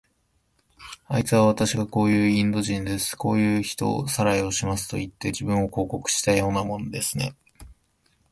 あいつは、わたしはこういうインド人です。こういう人さらいをしますといって、自分を広告していたようなものですね。